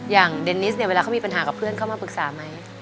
อย่างเดนนิสเนี่ยเวลาเขามีปัญหากับเพื่อนเขามาปรึกษาไหม